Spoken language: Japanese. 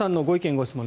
・ご質問